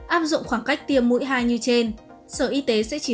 áp dụng khoảng cách tiêm mũi hai như trên